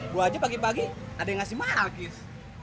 bukannya pagi pagi ada yang ngasih makis